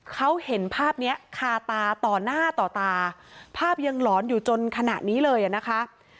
เขาเห็นภาพนี้คาตาต่อหน้าต่อตาภาพยังหลอนอยู่จนขณะนี้เลยอ่ะนะคะ